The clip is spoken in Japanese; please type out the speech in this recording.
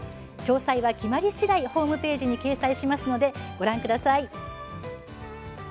詳細は決まりしだいホームページに掲載しますのでご覧ください。